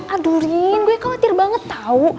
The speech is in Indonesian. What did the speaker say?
aduh rin gue khawatir banget tau